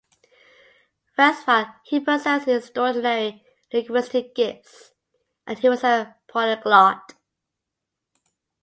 Westphal, he possessed extraordinary linguistic gifts, and he was a polyglot.